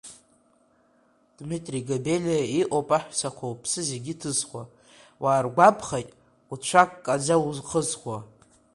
Дмитри Габелиа иҟоуп аҳәсақәа уԥсы зегьы ҭызхуа, уааргәамԥхеит, уцәа ккаӡа иухызхуа!